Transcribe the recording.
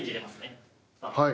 はい。